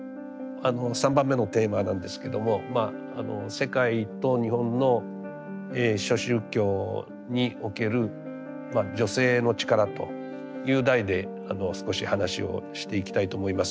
３番目のテーマなんですけども「世界と日本の諸宗教における女性の力」という題で少し話をしていきたいと思います。